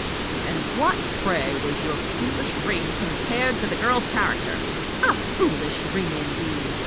"And what, pray, was your foolish ring compared to the girl's character?" "A foolish ring, indeed!